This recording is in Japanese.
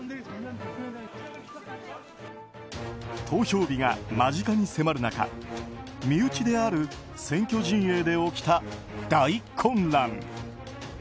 投票日が間近に迫る中身内である選挙陣営で起きた大混乱。